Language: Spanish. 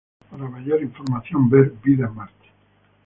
Para mayor información, ver Vida en Marte.